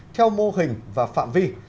theo mô hình và phạm vi